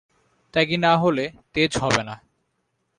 ত্যাগী না হলে তেজ হবে না।